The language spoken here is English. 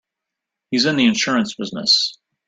He's in the insurance business.